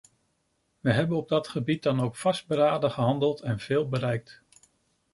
Wij hebben op dat gebied dan ook vastberaden gehandeld en zeer veel bereikt.